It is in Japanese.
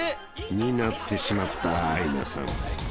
［になってしまったアイナさん］